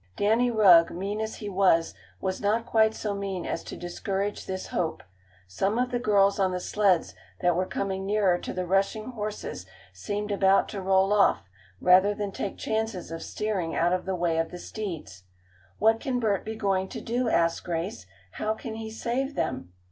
Danny Rugg, mean as he was, was not quite so mean as to discourage this hope. Some of the girls on the sleds that were coming nearer to the rushing horses seemed about to roll off, rather than take chances of steering out of the way of the steeds. "What can Bert be going to do?" asked Grace. "How can he save them?"